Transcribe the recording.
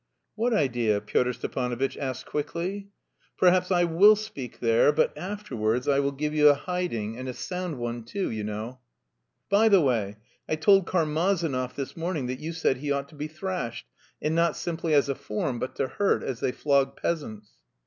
"What idea?" Pyotr Stepanovitch asked quickly. "Perhaps I will speak there, but afterwards I will give you a hiding and a sound one too, you know." "By the way, I told Karmazinov this morning that you said he ought to be thrashed, and not simply as a form but to hurt, as they flog peasants."